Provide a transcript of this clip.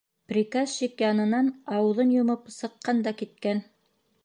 Приказчик янынан ауыҙын йомоп сыҡҡан да киткән.